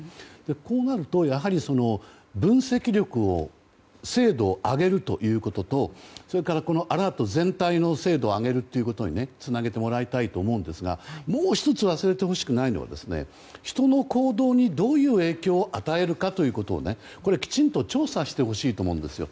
こうなると、分析力の精度を上げるということとそれからアラート全体の精度を上げるということにつなげてもらいたいと思うんですがもう１つ忘れてほしくないのは人の行動にどういう影響を与えるかということをきちんと調査してほしいと思うんですよ。